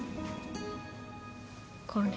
これ。